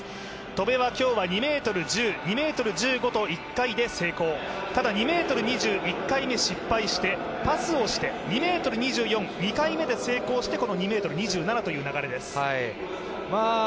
戸邉は今日は２ｍ１０、２０ｍ１５と１回で成功ただ、２ｍ２０、１回目、失敗してパスをして、２ｍ２４、２回目で成功してこの２ｍ２７という流れです。